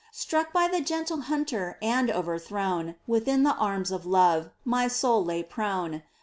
Struck by the gentle Hunter And overthrown. Within the arms of Love My soul lay prone.